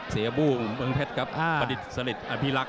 เสียบู้เมืองเพชรครับประดิษฐ์สลิดอภิรักษ